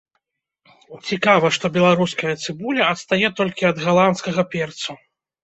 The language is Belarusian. Цікава, што беларуская цыбуля адстае толькі ад галандскага перцу.